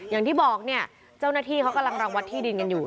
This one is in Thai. อย่างที่บอกเนี่ยเจ้าหน้าที่เขากำลังรังวัดที่ดินกันอยู่